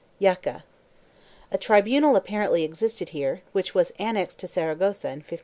JACA. A tribunal apparently existed here, which was annexed to Saragossa in 1521.